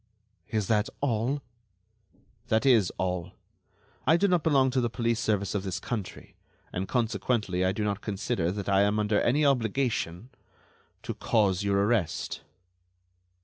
"Is that all?" "That is all. I do not belong to the police service of this country, and, consequently, I do not consider that I am under any obligation ... to cause your arrest."